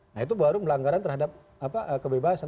nah itu baru melanggaran terhadap kebebasan